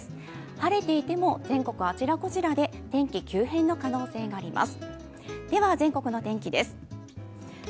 晴れていても全国あちらこちらで天気急変の可能性があります。